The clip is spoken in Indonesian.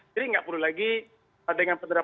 jadi tidak perlu lagi dengan penerapan skb tiga menteri ini